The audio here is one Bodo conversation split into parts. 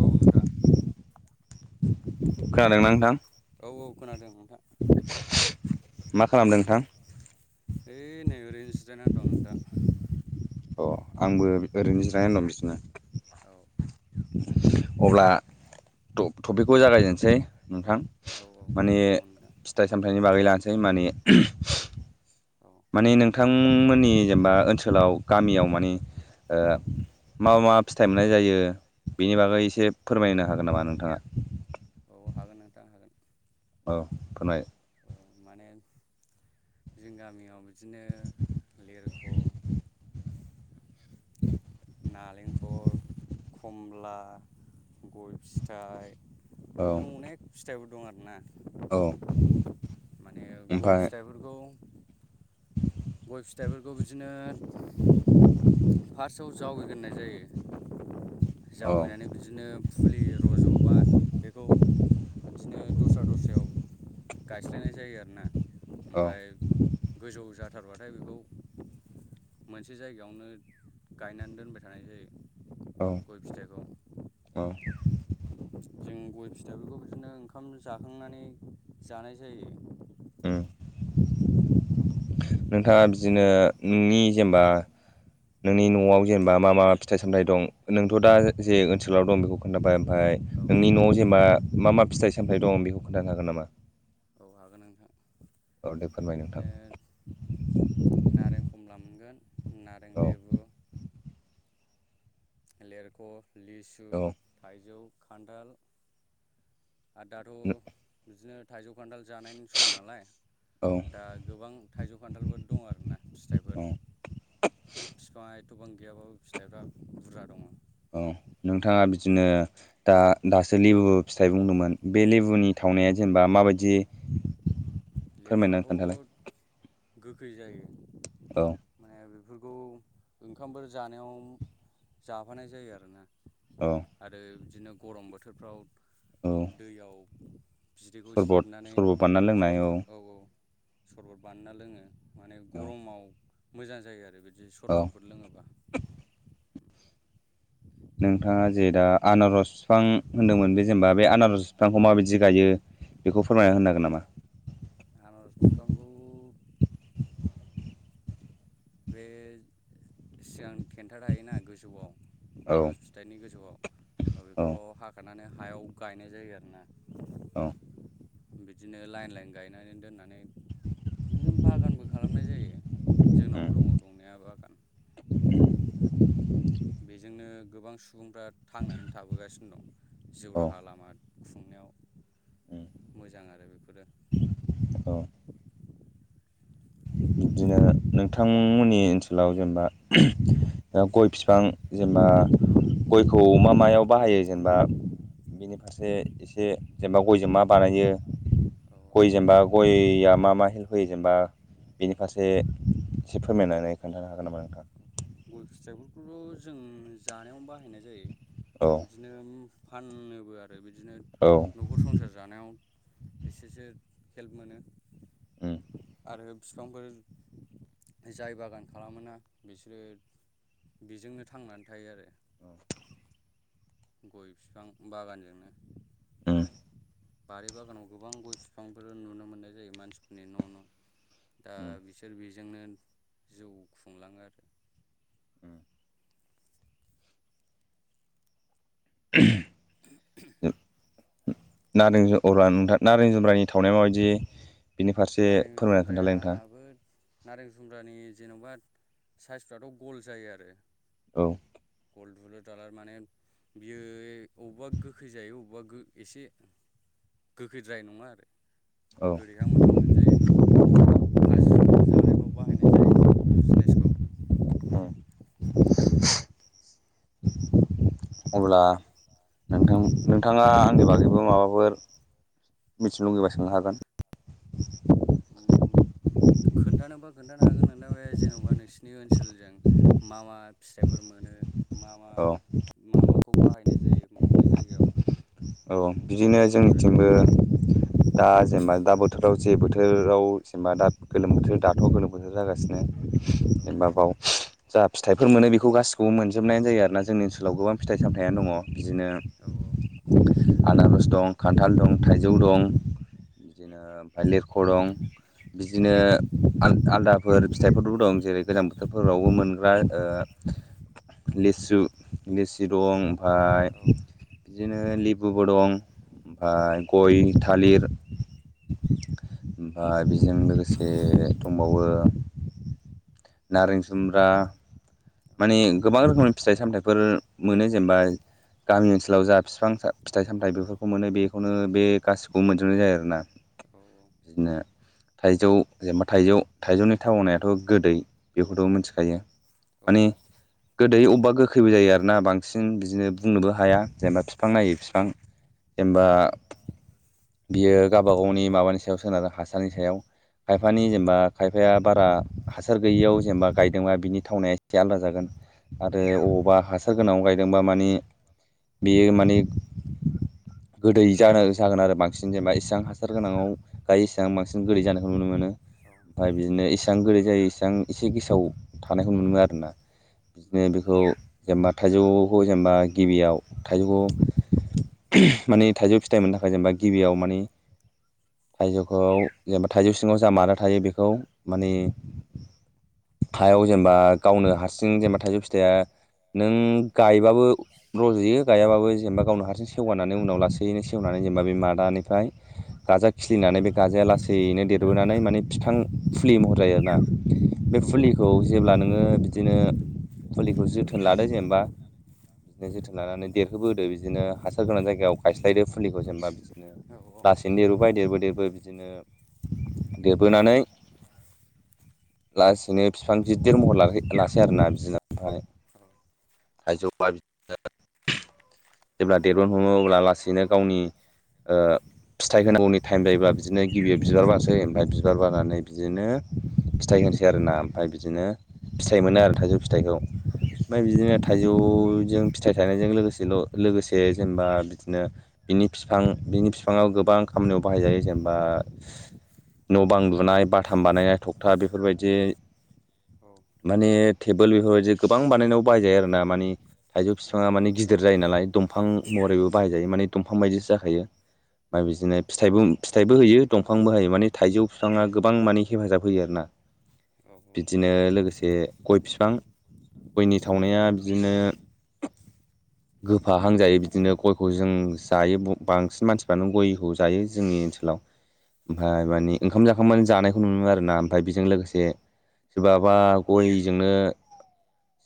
औ नोंथां खोनादों ना नोंथां औ औ खोनादों नोंथां मा खालामदों नोंथां ओइ नै ओरैनो जिरायना दं अ आंबो ओरैनो जिरायना दं बिबदिनो औ अब्ला थटपिकखौ जागायजेनसै नोंथां औ माने औ नोंथां फिथाइ सामथाइनि बागै लानोसै माने औ बिथांमोननि जेनेबा ओनसोलाव गामियाव माने मा मा फिथाइ मोननाय जायो? बेनि बागै एसे फोरमायनो हागोन नामा नोंथाङा? अ हागोन नोंथां हागोन। औ खोनादों। [unintelligible] जों गामियाव बिदिनो लेरख' उ [inaudible] नारेंखल खमला गय फिथाइ औ अनेख फिथाइबो दं आरोना। औ। माने गय ओमफ्राय फिथाइफोरखौ गय फिथाइफोरखौ बिदिनो फार्स्टआव जावैना दोननाय जायो। औ जावैनानै बिदिनो फुलि रज'बा बेखौ बिदिनो दस्रा दस्रायाव गायस्लायनाय जायो आरोना औ ओमफ्राय गोजौ जा थारबाथाय बेखौ मोनसे जायगायावनो गायनानै दोनबाय थानाय जायो। औ गय फिथाइखौ औ। जों गय फिथाफोरखौ बिदिनो ओंखाम जाखांनानै जानाय जायो। नोंथाङा बिदिनो नोंनि जेनेबा नोंनि न'आव जेनेबा मा मा फिथाइ सामथायाइ दं नोंथ' दा जे ओनसोलाव दं बेखौ खोन्थाबाय ओमफ्राय औ औ नोंनि न'आव जेनेबा मा मा फिथाइ सामथाय दं बेखौ खोन्थानो हागोन नामा? औ हागोन नोंथां। औ दे फोरमाय नोंथां। बिदिनो नारें कमला मोनगोन नारें औ लेबु लेरख' लिसु औ थाइजौ खान्थाल आरो दाथ' बिदिनो थाइजौ खान्थाल जानायनि सम नालाय औ दा गोबां थाइजौ खान्थालफोर दं आरोना फिथाइफोर औ बिफां गोबां गैयाबो फिथाइफ्रा बुरजा दङ औ नोंथाङा बिदिनो दा दासो लेबु फिथाइ बुंदोंमोन। बे लेबुनि औ थावनाया जेनेबा माबायदि फोरमायनानै लेबुआथ' खोन्थालाय गोखै जायो। औ। माने बेफोरखौ ओंखामफोर जानायाव जाफानाय जायो आरोना। औ आरो बिदिनो गरम बोथोरफ्राव औ दैयाव बिदैखौ सेबनानै सरबत बानायना लोंनाय औ। सरबत बानायना लोङो माने औ गरमाव मोजां जायो आरो। औ सरबटफोर लोङोबा। नोंथाङा जे दा आनारस बिफां होन्दोंमोन बे जेनेबा बे आनारस बिफांखौ माबायदि गायो। बेखौ फोरमायना होननांगोन नामा? आनारस बिफांखौ बे सिगां थेन्था थायोना गोजौआव औ आनारज फिथाइनि गोजौआव बेखौ औ हाखानानै हायाव गायनाय जायो आरोना। औ। बिदिनो लाइन लाइन गायनानै दोननानै बिनो बागानबो खालामनाय जायो जोंनावबो [unintelligible] बेजोंनो गोबां सुबुंफ्रा थांनानै थाबोगासिनो दं जिउ औ राहा लामा खुंनायाव मोजां आरो बेफोरो बिब्दिनो नोंथांमोननि ओनसोलाव जेनेबा ओ‌ गय बिफां जेनबा औ गयखौ मा मायाव बाहायो जेनबा बेनि फारसे एसे जेनबा गयजों मा बानायो औ गय जेनबा गयआ मा मा हेल्प होयो जेनबा बेनि फारसे एसे फोरमायनानै खोन्थानो हागोन नामा नोंथाङ गय फिथाइफोरखौथ' जों जानायावनो बाहायनाय जायो औ बिदिनो फाननोबो आरो बिदिनो औ न'खर संसार जानायाव एसेसो हेल्प मोनो उम आरो बिफांफोर जाय बागान खालामोना बिसोर बेजोंनो थांनानै थायो आरो गय बिफां बागानजोंनो उम। बारि बागानाव गोबां गय बिफांफोर नुनो मोननाय जायो मानसिफोरनि न' न' दा उम बिसोर बेजोंनो जिउ खुंलाङो आरो [unintelligible] नारें जु औरा नोंथां नारें जुमब्रानि थावनाया माबायदि बिनि फारसे नारें फोरमायना खोन्थालाय नोंथाङा जुमब्रायाबो नारें जुमब्रानि जेन'बा साइसफ्राथ' गल जायो आरो औ। गल दुलुर दालार माने बियो अबा गोखै जायो अबा गो एसे गोखैद्राय नङा आरो औ गोदैहां माहां मोन खाजिफोर जानायफ्राव बाहायनाय जायो जों बेफोर जिनिसखौ [unintelligible] [inaudible] [inaudible] अब्ला नोंथां नोंथाङा आंनि बागैबो माबाफोर मिथिलुगैबा सोंनो हागोन खोन्थानोबा खोन्थानो हागोन नोंथां बे जेन'बा नोंसिनि ओनसोलजों मा मा फिथाइफोर मोनो औ मा-मा-मा माखौ बाहायनाय जायो अबे जायगायाव औ बिदिनो बेफोरखौ आरो जोंनिथिंबो दा जेनेबा दा बोथोराव जे बोथोराव जेनबा दा गोलोम बोथोर दाथ' गोलोम बोथोर जागासिनो औ जेनेबा बाव जा फिथाइफोर मोनो बेखौ गासिखौबो मोनजोबनायानो जायो आरोना जोंनि ओनसोलाव गोबां फिथाइ सामथायाइानो दङ। बिदिनो औ गामि ओनसोलाव जा बिफां फिथाइ सामथाइ बेफोरनि बे गासिबो मोनजोबनाय जायो आरोना जोङो अबावबा हासार आनारस दं खान्थाल दं थाइजौ दं बिदिनो ओमफ्राय लिरख' दं बिदिनो आंलं आलदाफोर फिथाइफोरबो दं जेरै गोजां बोथोरफोरावबो मोनग्रा ओ लिसु लेसि दं ओमफाय बिदिनो लेबुबो दं ओमफाय गय थालिर ओमफाय बेजों लोगोसे दंबावो नारें जुमब्रा माने गोबां रोखोमनि फिथाइ सामथाइफोर मोनो जेनेबा गामि ओनसोलाव जा बिफां फिथाइ सामथाइ बेफोरखौ मोनो बेखौनो बे गासिखौबो मोनजोबनाय जायो आरोना गोनां बिदिनो थाइजौ जेनेबा थाइजौ थाइजौनि थावनायाथ' गोदै बेखौथ' मिथिखायो माने गोदै अबबा गोखैबो जायो आरोना बांसिन बिदिनो बुंनोबो हाया जेनेबा फिफां नायै फिफां जेनेबा बियो गावबा गावनि माबानि सायाव सोनारो हासारनि सायाव खायफानि जेनेबा खायफाया बारा हासार गैयियाव जेनेबा गायदोंबा बिनि थावनाया एसे आलादा जागोन आरो अबावबा हासार गोनां गायदोंबा माने बेयो माने गोदै जानो जागोन आरो बांसिन जेनेबा इसेबां हासार गोनाङाव गायो इसेबां बांसिन गोदै जानायखौ नु मोनो खिलिनानै ओमफ्राय बिदिनो इसां गोदै जायो इसां एसे गेसाव थानायखौ नुनो मोनो आरोना। बे ओ बेखौ जेनेबा थाइजौखौ जेनेबा गिबियाव थाइजौखौ माने थाइजौ फिथाइ मोननो थाखाय जेनेबा गिबियाव माने थाइजौखौ जेनेबा थाइजौ सिङाव जा मा थायो बेखौ माने गाजाया हायाव जेनेबा गावनो हारसिं जेनेबा थाइजौ फिथाइया नों गायबाबो रज'यो गायाबाबो जेनेबा गावनि हारसिं सेवगानानै उनाव लासैनो सेव मानो जेनेबा बे मादानिफ्राय गाजा खिलिनानै लासै बिदिनो देरबोनानै माने बिफां महर मोनो बेखौ माने जोङो हाग्रा बंग्रा माने बे गाजाया लासैनो देरबोनानै माने फिफां फुलि महर जायो आरोना। गय बे फुलिखौ जेब्ला नोङो बिदिनो फुलिखौ जोथोन लादो जेनेबा इदिनो जोथोन लानानै देरहोबोदो बिदिनो हासार गोनां जायगायाव गायस्लायदो फुलिखौ जेनेबा बिदिनो लासैनो देरबोबाय देरबो देरबो बिदिनो देरबोनानै लासैनो फिफां गेदेर महर लाखै लासै आरोना [unintelligible] जेब्ला [unintelligible] लासैनो गावनि ओ फिथाइ होनांगौनि टाइम जायोबा बिदिनो गिबियाव बिबार बारसे [unintelligible] बिबार बारानानै बिदिनो फिथाइ होनोसै आरो ना ओमफाय बिदिनो फिथाइ मोनो आरो थाइजौ फिथाइखौ ओमफ्राय बिदिनो थाइजौ जों फिथाइ थाइनाइजों लोगोसे लोगोसे जेनेबा बिदिनो बिनि फिफां बिनि बिफाङाव गोबां गोबां खामानियाव बाहायजायो जेनेबा न' बां लुनाय बाथाम बानायनाय टगथा बेफोरबायदि माने टेबोल बेफोरबायदि गोबां बानायनायाव बाहायजायो आरो ना माने थाइजौ बिफाङा माने गिदिर जायो नालाय दंफां महरैबो बाहायजायो माने दंफां बायदिसो जाखायो। ओमफ्राय बिदिनो फिथाइबो फिथाइबो होयो दंफांबो होयो माने थाइजौ बिफाङा गोबां माने हेफाजाब होयो आरोना। बिदिनो लोगोसे गय फिफां गयनि थावनाया बिदिनो गोफाहांजायो बिदिनो गयखौ जों जायो बांसिन मानसिफ्रानो गयखौ जायो जोंनि ओनसोलाव [inaudible] ओमफ्राय मानि ओंखाम जाखांबानो जानायखौ नुनो मोनो आरोना ओमफ्राय बेजों लोगोसे सोरबाबा गयजोंनो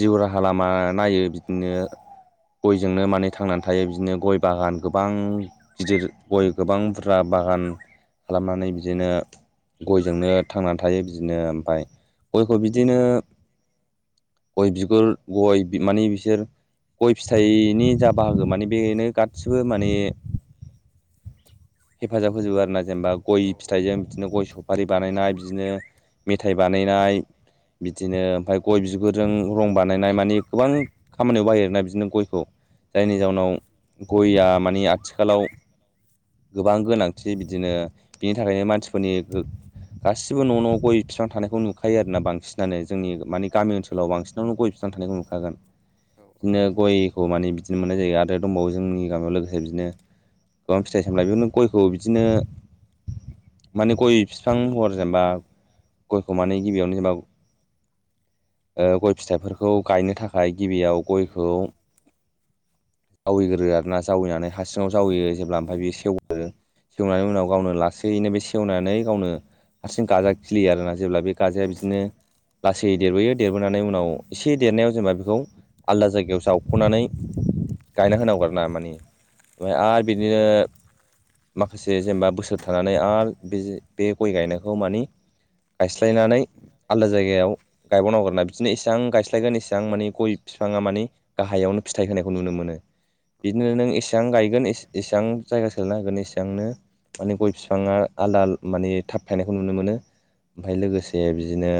जिउ राहा लामा नायो बिदिनो गयजोंनो माने थांनानै थायो बिदिनो गय बागान गोबां गिदिर गय गोबां बुरजा बागान खालामनानै बिदिनो गयजोंनो थांनानै थायो बिदिनो ओमफ्राय गयखौ बिदि बिदिनो गय बिगुर गय बिमाने बिसोर गय फिथाइनि जा बाहागो माने बेनो गासिबो माने हेफाजाब होजोबो आरोना, जेनेबा गय फिथाइजों बिदिनो गय सफारि बानायनाय बिदिनो मेथाइ बानायनाय बिदिनो ओमफ्राय गय बिगुर जों रं बानायनाय मानि गोबां खामानियाव बाहायो आरना बिदिनो गयखौ। जायनि जाउनाव फिथाइजों जायनि जाउनाव गयआ माने आथिखालाव गोबां गोनांथि बिदिनो बिनि थाखायनो मानसिफोरनि गो गासिबो न' न' गय फिफां थानायखौ नुखायो आरोना बांसिन। [unintelligible] औ जोंनि मानि गामि ओनसोलाव बांसिननावनो गय फिफां थानायखौ नुखागोन। औ बिदिनो गयखौ माने बिदिनो मोननाय जायो आरो दंबावो जोंनि गामियाव लोगोसे बिदिनो गोबां फिथाइ [unintelligible] बेनो गयखौ बिदिनो माने गय बिफां हर जेनेबा गयखौ माने गिबियावनो एबा ओ गय फिथाइफोरखौ गायनो थाखाय गिबियाव उम गयखौ जावैग्रोयो आरोना जावैनानै हासिङाव औ जावैयो जेब्ला ओमफ्राय बे सेवो ओ सेवनायनि उनाव गावनो लासैनो बे सेवनानै गावनो हारसिं गाजा खिलियो आरोना जेब्ला बे गाजाया बिदिनो लासै देरबोयो देरबोनानै उनाव एसे देरनायाव जेनेबा बेखौ आलदा जायगायाव जावख'नानै गायना होनांगौ आरो ना मानि ओमफ्राय आरो बिदिनो माखासे जेनेबा बोसोर थानानै आरो बे बे गय गायनायखौ मानि गायस्लायनानै आलदा जायगायाव गायबावनांगौआरोना बिदिनो एसे बेसेबां औ गायस्लायगोन एससेबां मानानि गय बिफाङा मानि गाहायावनो फिथाइ होनायखौ नुनो मोनो औ बिदिनो नों एसेबां गायगोन एसे एसेबां जायगा ना हागोन एसेबांनो माने गय बिफाङा आलदा माने थाब फायनायखौ नुनो मोनो ओमफ्राय उम लोगोसे बिदिनो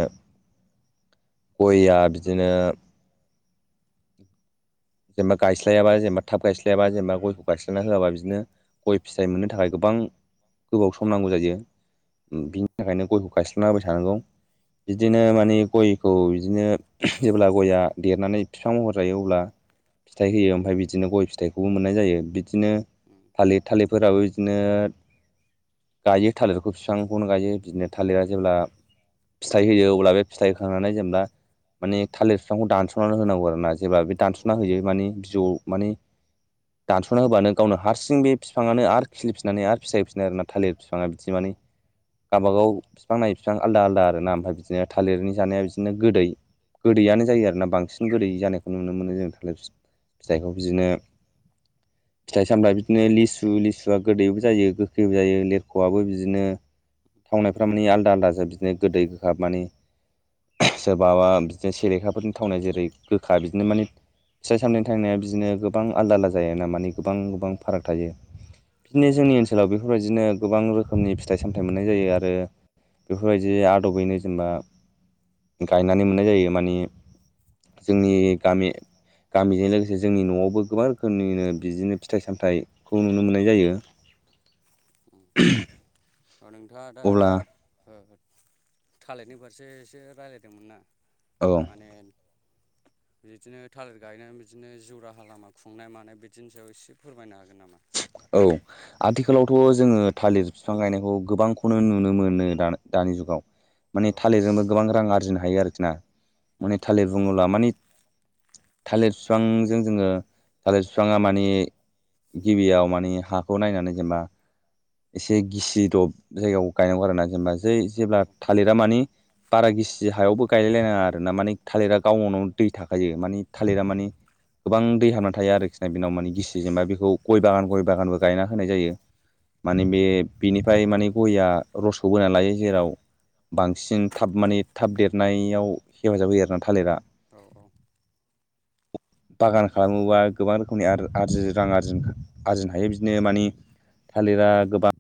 गया बिदिनो जेनेबा गायस्लायाबा जेनेबा थाब गायस्लायाबा जेनेबा गयखौ गायस्लायना होआबा बिदिनो गय फिथाइ मोननो थाखाय गोबां गोबाव सम नांगौ जायो औ औ बिनि थाखायनो गयखौ खायस्लाांनाबाय थानांगौ बिदिनो माने गयखौ बिदिनो जेब्ला गयआ देरनानै बिफां महर जायो अब्ला फिथाइ होयो ओमफ्राय बिदिनो गय फिथाइखौबो मोननाय जायो बिदिनो थालिर थालिरफोराबो बिदिनो गायो थालिरखौ बिफांखौनो गायो बिदिनो थालिरा जेब्ला फिथाइ होयो अब्ला बे फिथाइ होखांनानै जेनेबा माने थालिर बिफांखौ दानस'नानै होनांगौ आरो ना उम [inaudible] माने बिजौ माने दानस'ना होबानो गावनो हारसिं बे बिफाङानो आरो खिलिफिननानै आरो फिथायहोफिनो आरो ना थालिर बिफाङा बिदि माने गाबागाव बिफां लायै बिफां आलदा आलदा आरो ना ओमफ्राय बिदि बिदिनो थालिरनि जानाया बिदिनो गोदै गोदैयनो जायो आरोना बांसिन गोदै जानायखौ नुनो मोनो जों फिथाइखौ बिदिनो फिथाइ सामथाय बिदिनो लिसु लिसुआ गोदैबो जायो गोखैबो जायो लिरख'आबो बिदिनो थावनायफ्रा माने आलदा आलदाजों बिदिनो गोदै गोबाब माने सोरबाबा बिदिनो सेरेखाफोरनि थावनाय जेरै गोखा बिदिनो माने फिथाइ सामायनि थांवनाया बिदिनो गोबां आलदा आलदा जायो ना मानानि गोबां गोबां फाराग थायो बिदिनो जोंनि ओनसोलाव बेफोरबायदिनो गोबां रोखोमनि फिथाइ सामथाइ मोननाय जायो आरो बेफोरबायदि आदबैनो जेनेबा गायनानै मोननाय जायो मानि जोंनि गामि गामिजों लोगोसे जोंनि न'आवबो गोबां रोखोमनिनो बिदिनो फिथाइ सामथाइखौ नुनो मोननाय जायो [inaudible] अनोंथाङा दा अब्ला ओ थालिरनि फारसे रायलायदोंमोन ना औ माने [inaudible] बिदिनो थालिर गायनानै बिदिनो जिउ राहा लामा खुंनाय मानाय बिदिनि सायाव एसे फोरमायना हादो औ आदि आथिखोलावथ' जोङो थालिर बिफां गायनायखौ गोबांखौनो नुनो मोनो दानि दानि जुगाव माने औ औ थालिरजोंबो गोबां रां आरजिनो हायो आरोखि ना उम माने थालिर बुङोब्ला माने थालिर बिफांजों जोङो थालिर बिफाङा माने गिबियाव माने हाखौ नायनानै जेनेबा एसे गिसिदब जायगायाव गायनांगौ आरोना जेनेबा जै औ जेब्ला थालिरा मानि बारा गिसि हायावबो गायलायलायनाङा आरो ना माने थालिरा गावननाव दै थाखायो माने थालिरा माने गोबां दै हाबना थायो आरोखिना बेनाव माने गिसि जेनेबा बेखौ गय बागान गय बागानबो गायना होनाय जायो माने बे बिनिफ्राय माने गया रसखौ बोनानै लायो जेराव बांसिन थाब माने थाब देरनायाव हेफाजाब होयो आरोना थालिरा औ औ बागान खालामोबा गोबां रोखोमनि आर-आरजि रां आरजि आरजिनो हायो बिदिनो मानि थालिरा गोबा